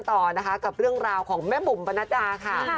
ต่อนะคะกับเรื่องราวของแม่บุ๋มปนัดดาค่ะ